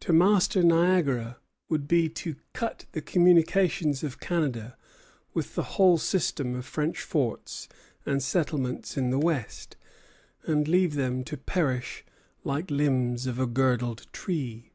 To master Niagara would be to cut the communications of Canada with the whole system of French forts and settlements in the West, and leave them to perish like limbs of a girdled tree.